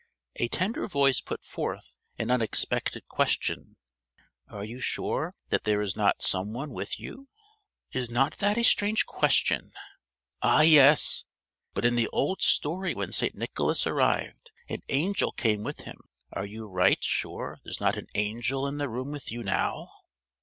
A tender voice put forth an unexpected question: "Are you sure that there is not some one with you?" "Is not that a strange question?" "Ah yes, but in the old story when St. Nicholas arrived, an angel came with him: are you right sure there's not an angel in the room with you now?"